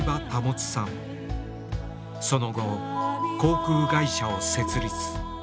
その後航空会社を設立。